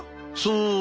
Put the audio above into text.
そう！